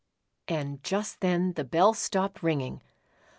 ! And just then the bell stopped ringing.